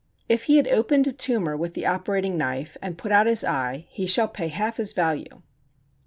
If he had opened a tumor with the operating knife, and put out his eye, he shall pay half his value.